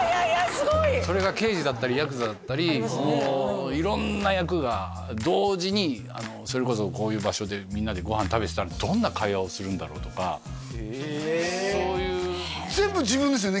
すごいそれが刑事だったりヤクザだったり色んな役が同時にそれこそこういう場所でみんなでご飯食べてたらへえそういう全部自分ですよね？